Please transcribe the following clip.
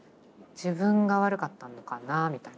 自分が悪かったのかなぁみたいな。